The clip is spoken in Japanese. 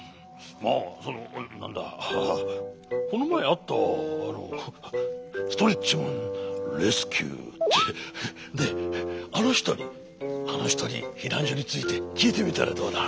まあそのなんだこのまえあったあのストレッチマン☆レスキューってねっあのひとにあのひとにひなんじょについてきいてみたらどうだ？